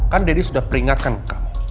kan deddy sudah peringatkan kamu